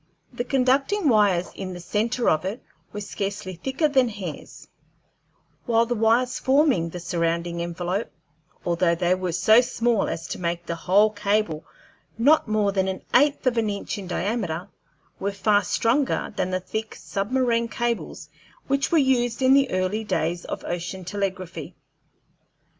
The conducting wires in the centre of it were scarcely thicker than hairs, while the wires forming the surrounding envelope, although they were so small as to make the whole cable not more than an eighth of an inch in diameter, were far stronger than the thick submarine cables which were used in the early days of ocean telegraphy.